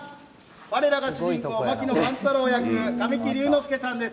我らが主人公槙野万太郎役神木隆之介さんです。